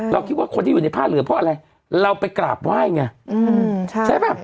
เราคิดว่าคนที่อยู่ในผ้าเหลือเพราะอะไรเราไปกราบไหว้ไงใช่ป่ะ